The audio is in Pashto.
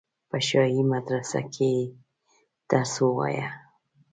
په شاهي مدرسه کې یې درس ووایه.